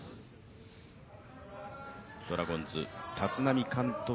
ドラゴンズ・立浪監督